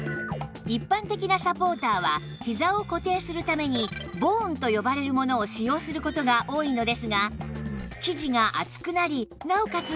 一般的なサポーターはひざを固定するためにボーンと呼ばれるものを使用する事が多いのですが生地が厚くなりなおかつ